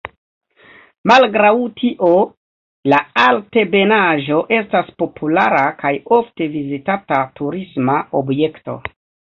Malgraŭ tio la altebenaĵo estas populara kaj ofte vizitata turisma objekto.